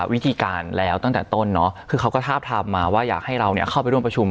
วิธีการแล้วตั้งแต่ต้นเนาะคือเขาก็ทาบทามมาว่าอยากให้เราเข้าไปร่วมประชุม